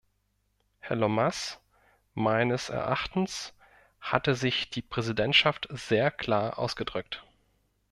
Herr Lomas, meines Erachtens hatte sich die Präsidentschaft sehr klar ausgedrückt.